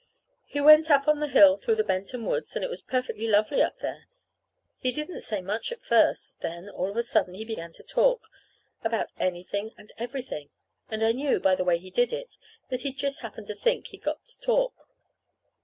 We went up on the hill through the Benton woods, and it was perfectly lovely up there. He didn't say much at first. Then, all of a sudden, he began to talk, about anything and everything. And I knew, by the way he did it, that he'd just happened to think he'd got to talk.